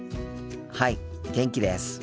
はい元気です。